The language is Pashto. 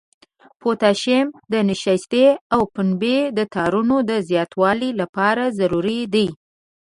پوتاشیم د نشایستې او پنبې د تارونو د زیاتوالي لپاره ضروري دی.